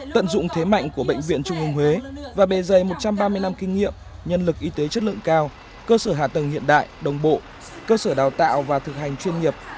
tận dụng thế mạnh của bệnh viện trung ương huế và bề dày một trăm ba mươi năm kinh nghiệm nhân lực y tế chất lượng cao cơ sở hạ tầng hiện đại đồng bộ cơ sở đào tạo và thực hành chuyên nghiệp